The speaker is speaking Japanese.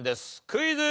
クイズ。